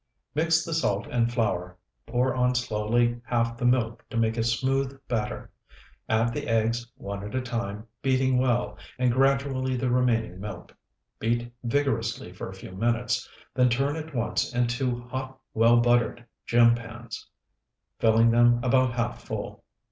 Mix the salt and flour, pour on slowly half the milk to make a smooth batter; add the eggs, one at a time, beating well, and gradually the remaining milk. Beat vigorously for a few minutes, then turn at once into hot well buttered gem pans, filling them about half full.